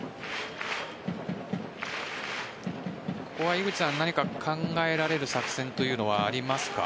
ここは何か考えられる作戦というのはありますか？